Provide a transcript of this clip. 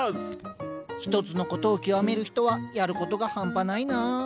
一つのことを極める人はやることが半端ないな。